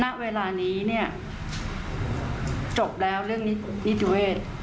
ณเวลานี้เนี่ยจบแล้วเรื่องนิติเวศ